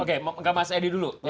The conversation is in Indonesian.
oke ke mas edi dulu